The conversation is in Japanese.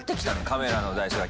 カメラの台数が。